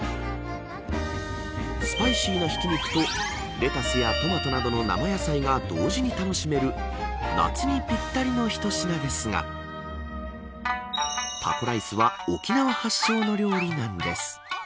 スパイシーなひき肉とレタスやトマトなどの生野菜が同時に楽しめる夏にぴったりの一品ですがタコライスは沖縄発祥の料理なんです。